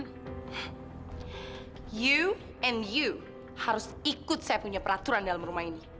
kamu dan kamu harus ikut saya punya peraturan dalam rumah ini